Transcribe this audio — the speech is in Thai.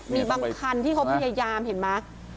มีบางคันที่เขาพยายามเห็นไหม